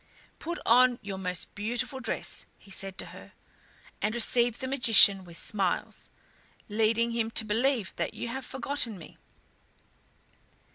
"Put on your most beautiful dress," he said to her, "and receive the magician with smiles, leading him to believe that you have forgotten me.